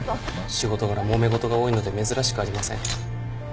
仕事柄もめ事が多いので珍しくありません。